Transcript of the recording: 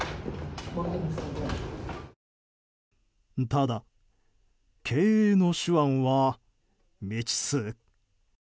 ただ経営の手腕は未知数。